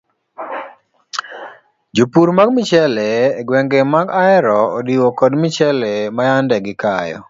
Jopur mag michele e gwenge mag ahero odiwo kod michele mayande gikayo.